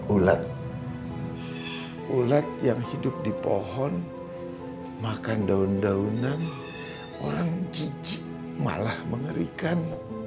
ulat ulat yang hidup di pohon makan daun daunan mencici malah mengerikan